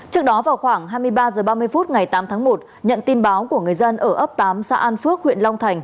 trước đó vào khoảng hai mươi ba h ba mươi phút ngày tám tháng một nhận tin báo của người dân ở ấp tám xã an phước huyện long thành